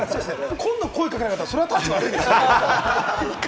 今度、声かけなかったらタチ悪いですよ。